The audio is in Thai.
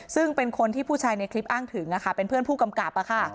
ซึ่งเป็นคนที่ผู้ชายในคลิปอ้างถึงเป็นเพื่อนผู้กำกับ